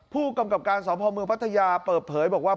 ผู้กำกรรมการสมเมืองภัทยาสมประโยชน์เปิดเผยบอกว่า